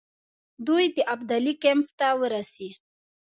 دوی د ابدالي کمپ ته ورسي.